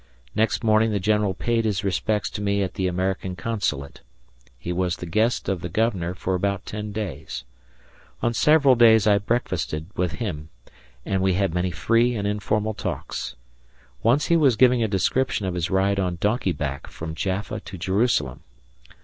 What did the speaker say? Next morning the general paid his respects to me at the American Consulate. He was the guest of the governor for about ten days. On several days I breakfasted with him, and we had many free and informal talks. Once he was giving a description of his ride on donkey back from Jaffa to Jerusalem.